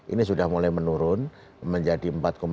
ini sudah mulai menurun menjadi empat tujuh